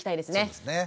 そうですね。